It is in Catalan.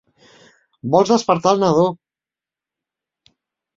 Vols despertar el nadó!